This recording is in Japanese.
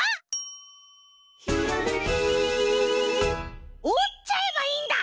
「ひらめき」おっちゃえばいいんだ！